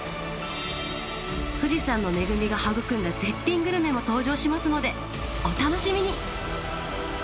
富士山の恵みが育んだ絶品グルメも登場しますのでお楽しみに！